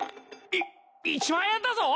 い１万円だぞ！？